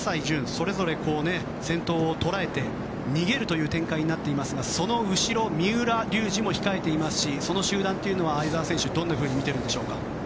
それぞれ先頭を捉えて逃げるという展開になっていますがその後ろに三浦龍司も控えていますしその集団は相澤選手、どんなふうに見ているのでしょうか。